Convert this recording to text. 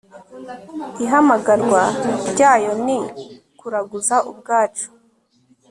ihamagarwa ryayo ni kuraguza ubwacu